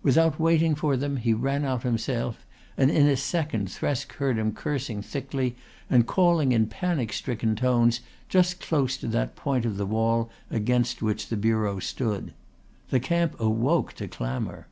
Without waiting for them he ran out himself and in a second Thresk heard him cursing thickly and calling in panic stricken tones just close to that point of the wall against which the bureau stood. The camp woke to clamour.